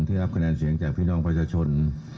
ได้รับคะแนนเสียงจากพี่น้องประชาชน